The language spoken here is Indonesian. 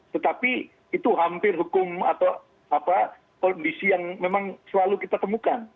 tetapi itu hampir hukum atau kondisi yang memang selalu kita temukan